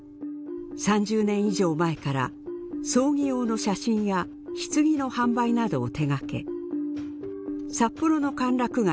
３０年以上前から葬儀用の写真や棺の販売などを手がけ札幌の歓楽街